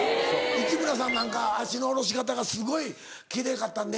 市村さんなんか足の下ろし方がすごい奇麗かったんで